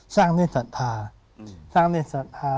สร้างด้วยศรัทธา